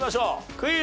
クイズ。